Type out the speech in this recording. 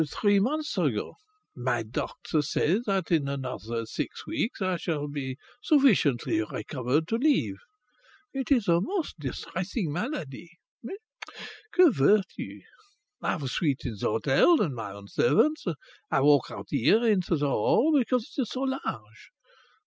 "Three months ago. My doctors say that in another six weeks I shall be sufficiently recovered to leave. It is a most distressing malady. Mais que veux tu? I have a suite in the hotel and my own servants. I walk out here into the hall because it's so large.